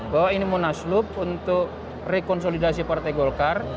bahwa ini munaslup untuk rekonsolidasi partai golkar